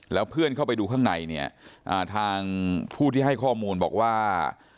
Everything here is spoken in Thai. แล้วเพื่อนเข้าไปดูข้างในเนี่ยทางผู้ที่ให้ข้อมูลบอกว่า